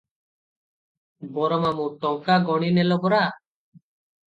ବର ମାମୁ- ଟଙ୍କା ଗଣି ନେଲ ପରା?